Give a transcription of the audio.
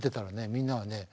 みんなはね